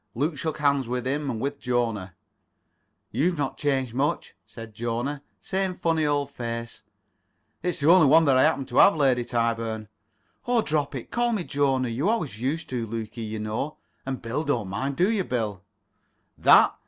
Luke shook hands with him and with Jona. "You've not changed much," said Jona. "Same funny old face." "It is the only one that I happen to have, Lady Tyburn." "Oh, drop it. Call me Jona. You always used to, [Pg 21]Lukie, you know. And Bill don't mind; do you, Bill?" "That?